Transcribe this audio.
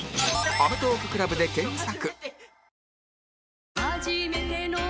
「アメトーーク ＣＬＵＢ」で検索